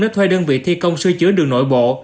để thuê đơn vị thi công sư chứa đường nội bộ